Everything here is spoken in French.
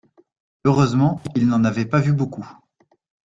Heureusement, il n’en avait pas vu beaucoup.